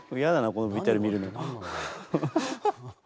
このＶＴＲ見るの。